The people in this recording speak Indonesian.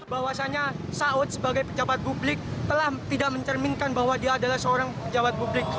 bahwasannya saud sebagai pejabat publik telah tidak mencerminkan bahwa dia adalah seorang pejabat publik